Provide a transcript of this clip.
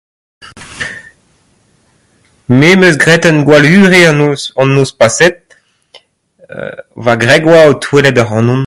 Me 'm eus graet ur gwallhunvre an noz... an noz paseet euu va wreg oa o touellañ ac'hanon.